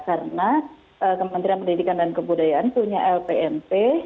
karena kementerian pendidikan dan kebudayaan punya lpmp